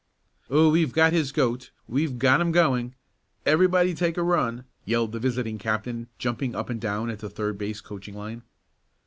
"Oh, we've got his goat! We've got 'em going! Everybody take a run!" yelled the visiting captain, jumping up and down at the third base coaching line.